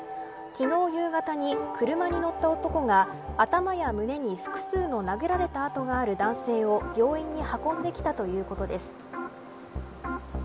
昨日、夕方に車に乗った男が頭や胸に複数の殴られた痕がある男性を病院に運んできたということです。